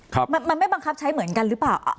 ครับมันไม่บังคับใช้เหมือนกันหรือเปล่า